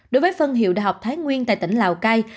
đối với phân hiệu đại học thái nguyên tại tỉnh lào cai